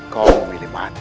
kau ingin mati